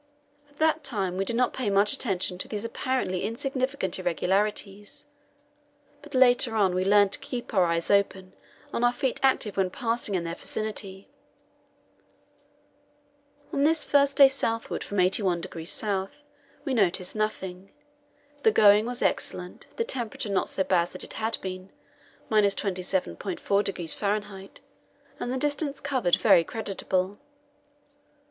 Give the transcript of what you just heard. At that time we did not pay much attention to these apparently insignificant irregularities, but later on we learned to keep our eyes open and our feet active when passing in their vicinity. On this first day southward from 81° S. we noticed nothing; the going was excellent, the temperature not so bad as it had been, 27.4° F., and the distance covered very creditable.